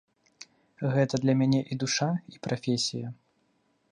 Гэта для мяне і душа, і прафесія.